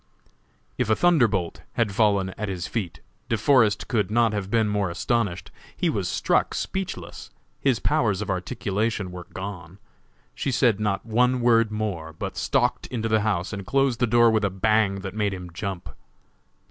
'_" Page 190.] If a thunderbolt had fallen at his feet, De Forest could not have been more astonished; he was struck speechless; his powers of articulation were gone. She said not one word more, but stalked into the house and closed the door with a bang that made him jump.